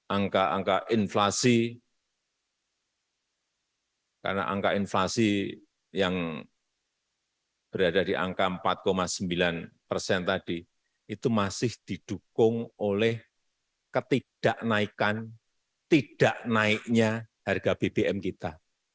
angka angka inflasi karena angka inflasi yang berada di angka empat sembilan persen tadi itu masih didukung oleh ketidaknaikan tidak naiknya harga bbm kita